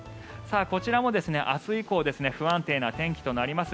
こちらも明日以降不安定な天気となります。